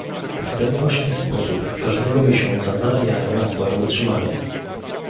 W ten właśnie sposób każdego miesiąca zarabiają na swoje utrzymanie